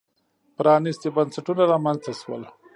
پرانېستي بنسټونه رامنځته شول.